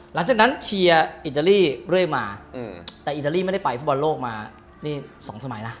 หลังจากนั้นเชียร์อิตาลีเรื่อยมาแต่อิตาลีไม่ได้ไปฟุตบอลโลกมานี่๒สมัยนะ